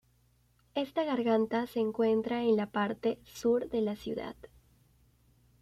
Esta garganta se encuentra en la parte sur de la ciudad.